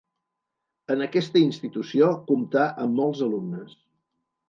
En aquesta institució comptà amb molts alumnes.